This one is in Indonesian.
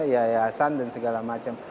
yayasan dan segala macam